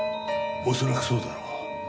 恐らくそうだろう。